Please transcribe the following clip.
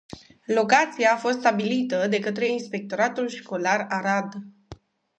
Locația a fost stabilită de către inspectoratul școlar Arad.